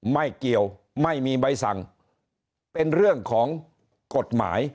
ไม่เกี่ยวไม่มีใบสั่งเป็นเรื่องของกฎหมาย